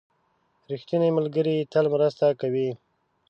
• ریښتینی ملګری تل مرسته کوي.